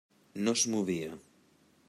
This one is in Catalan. No es movia.